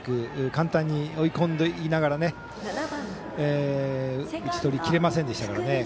簡単に追い込んでいながら打ち取りきれませんでしたからね。